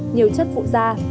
nhiều chất phụ da